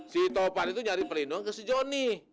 si topan itu nyari pelindung ke si johnny